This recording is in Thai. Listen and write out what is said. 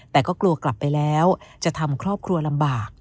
แต่ก็กลัวกลับไปแล้วจะทำครอบครัวลำบาก